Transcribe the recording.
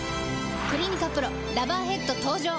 「クリニカＰＲＯラバーヘッド」登場！